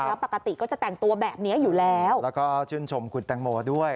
แล้วปกติก็จะแต่งตัวแบบนี้อยู่แล้วแล้วก็ชื่นชมคุณแตงโมด้วย